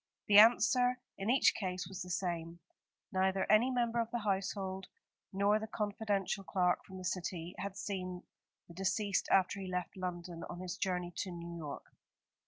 The answer in each case was the same. Neither any member of the household, nor the confidential clerk from the City, had seen the deceased after he left London on his journey to New York.